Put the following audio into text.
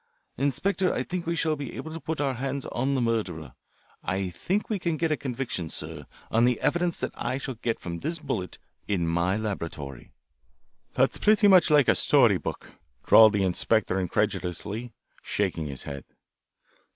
"Inspector, I think we shall be able to put our hands on the murderer I think we can get a conviction, sir, on the evidence that I shall get from this bullet in my laboratory." "That's pretty much like a story book," drawled the inspector incredulously, shaking his head.